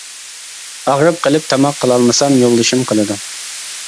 ئاغرىپ قېلىپ تاماق قىلالمىسام، يولدىشىم قىلىدۇ.